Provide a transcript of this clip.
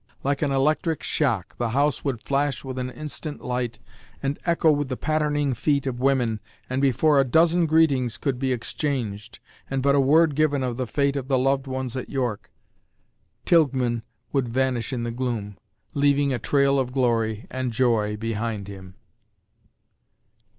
Like an electric shock the house would flash with an instant light and echo with the pattering feet of women, and before a dozen greetings could be exchanged, and but a word given of the fate of the loved ones at York, Tilghman would vanish in the gloom, leaving a trail of glory and joy behind him.